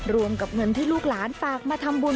รวมกับเงินที่ลูกหลานฝากมาทำบุญ